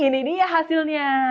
ini dia hasilnya